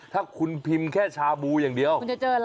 ถ้าคุณพิมพ์แค่ชาบูอย่างเดียว